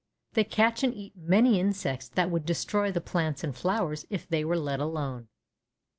They catch and eat many insects that would destroy the plants and flowers if they were let alone."